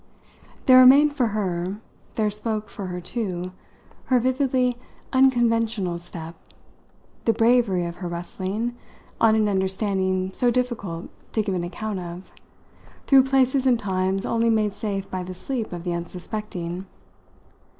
There remained for her, there spoke for her too, her vividly "unconventional" step, the bravery of her rustling, on an understanding so difficult to give an account of, through places and times only made safe by the sleep of the unsuspecting.